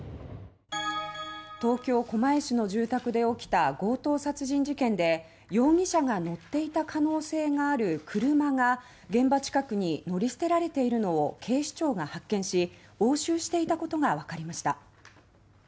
東京狛江市の住宅で起きた強盗殺人事件で容疑者が乗っていた可能性がある車が現場近くに乗り捨てられているのを警視庁が発見し押収していたことがわかりました。